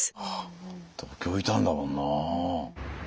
あ東京いたんだもんな。